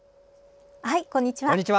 こんにちは。